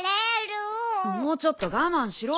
もうちょっと我慢しろ。